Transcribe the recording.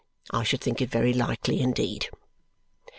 I should think it very likely indeed."